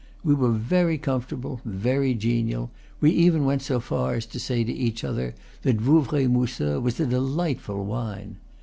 We were very comfortable, very genial; we even went so far as to say to each other that Vouvray mousseux was a delightful wine.